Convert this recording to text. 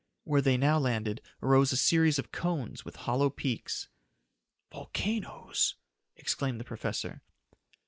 Where they now landed arose a series of cones with hollow peaks. "Volcanoes!" exclaimed the professor.